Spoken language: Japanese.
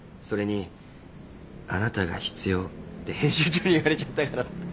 それに「あなたが必要」って編集長に言われちゃったからさ。